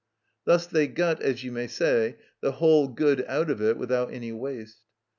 Thus they got, as you may say, the whole good out of it without any waste.